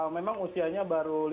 memang usianya baru